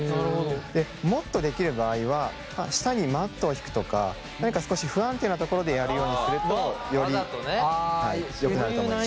でもっとできる場合は下にマットを敷くとか何か少し不安定な所でやるようにするとよりよくなると思います。